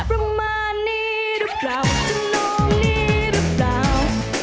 ประมาณนี้รึเปล่าชมน้องนี้รึเปล่า